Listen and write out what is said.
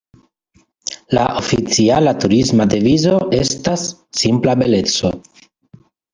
La oficiala turisma devizo estas "Simpla Beleco".